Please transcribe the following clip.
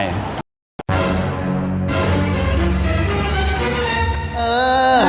พี่โต้ง